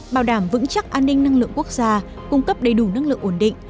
bảo đảm vững chắc an ninh năng lượng quốc gia cung cấp đầy đủ năng lượng ổn định